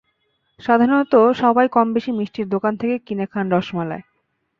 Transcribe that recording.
সাধারণত সবাই কমবেশি মিষ্টির দোকান থেকেই কিনে খান রসমালাই!